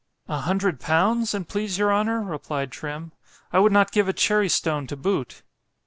——A hundred pounds, an' please your honour! replied Trim,—I would not give a cherry stone to boot.